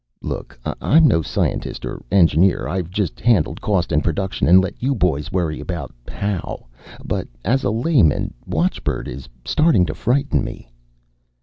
"Look, I'm no scientist or engineer. I've just handled cost and production and let you boys worry about how. But as a layman, watchbird is starting to frighten me."